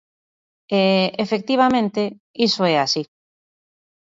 E, efectivamente, iso é así.